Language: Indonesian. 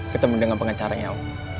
ketemu dengan pengacaranya om